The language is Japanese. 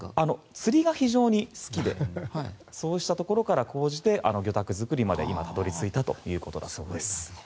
釣りが非常に好きでそうしたところから高じて魚拓作りまでたどり着いたということだそうです。